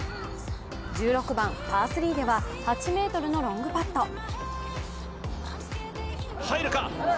１６番パー３では８ｍのロングパット。